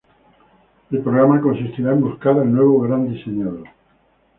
El programa consistirá en buscar al nuevo gran diseñador.